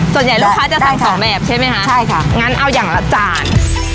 ส่วนใหญ่ลูกค้าจะสั่งสองแบบใช่ไหมคะใช่ค่ะงั้นเอาอย่างละจาน